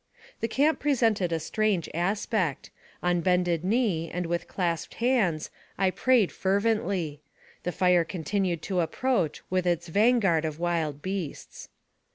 The camp presented a strange aspect. On bended knee, and with clasped hands, I prayed fervently. The fire continued to approach, with its vanguard of wild beasts.